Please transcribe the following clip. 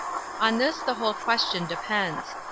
On this the whole question depends.